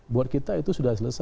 buat kita itu sudah selesai